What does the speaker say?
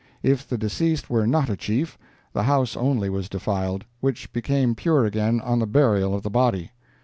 If the deceased were not a chief, the house only was defiled, which became pure again on the burial of the body.